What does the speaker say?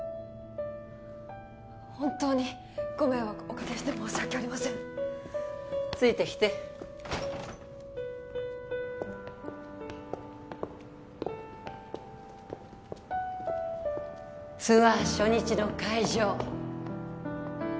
本当にご迷惑をおかけして申し訳ありませんついてきてツアー初日の会場